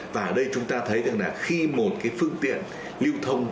và ở đây chúng ta thấy rằng là khi một cái phương tiện lưu thông